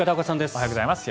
おはようございます。